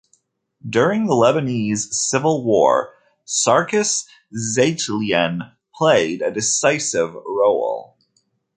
During the Lebanese civil war, Sarkis Zeitlian played a decisive role.